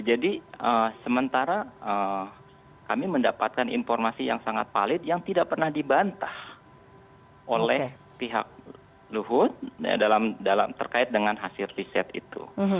jadi sementara kami mendapatkan informasi yang sangat palit yang tidak pernah dibantah oleh pihak luhut terkait dengan hasil riset itu